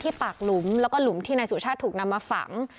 ปากหลุมแล้วก็หลุมที่นายสุชาติถูกนำมาฝัง